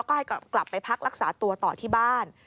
ก็ให้กลับไปพักรักษาตัวต่อที่บ้าน